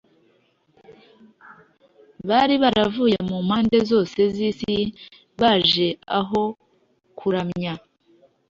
bari baravuye mu mpande zoze z’isi baje aho kuramya,